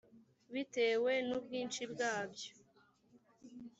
bitewe n ubwinshi bwabyo